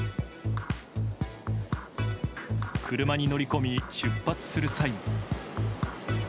車に乗り込み、出発する際も。